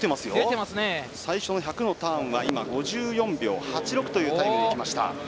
最初の１００のターンは５４秒８６というタイムでいきました。